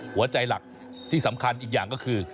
หัวใจหลักที่สำคัญอีกอย่างก็คือ